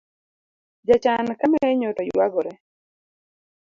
Jachan kamenyo to yuagore